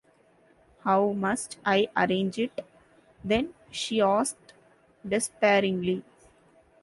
‘How must I arrange it, then?’ she asked despairingly.